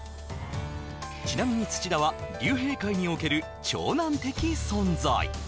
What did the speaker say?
ちなみに土田は竜兵会における長男的存在